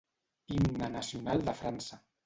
Himne Nacional de França.